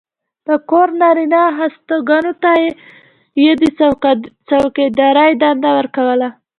د کور نارینه هستوګنو ته یې د څوکېدارۍ دنده ورکوله.